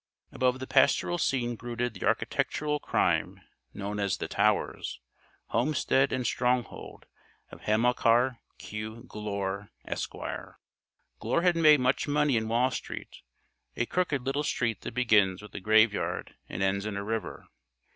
Above the pastoral scene brooded the architectural crime, known as The Towers homestead and stronghold of Hamilcar Q. Glure, Esquire. Glure had made much money in Wall Street a crooked little street that begins with a graveyard and ends in a river.